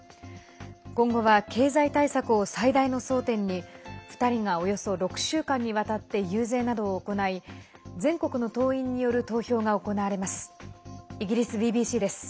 今後は経済対策を最大の争点に２人が、およそ６週間にわたって遊説などを行い全国の党員による投票が行われます。